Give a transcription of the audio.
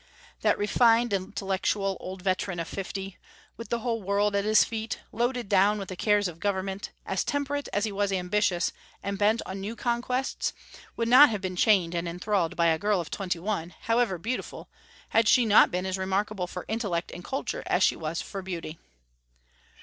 That refined, intellectual old veteran of fifty, with the whole world at his feet, loaded down with the cares of government, as temperate as he was ambitious, and bent on new conquests, would not have been chained and enthralled by a girl of twenty one, however beautiful, had she not been as remarkable for intellect and culture as she was for beauty.